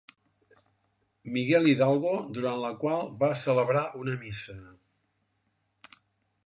Miguel Hidalgo, durant la qual va celebrar una missa.